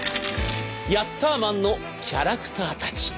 「ヤッターマン」のキャラクターたち。